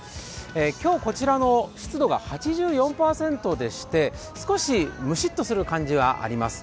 今日は湿度が８４％でして少しムシっとする感じはあります。